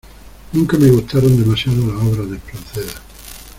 Nunca me gustaron demasiado las obras de Espronceda.